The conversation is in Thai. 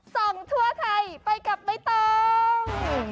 ส่องทั่วไทยไปกับไม่ต้อง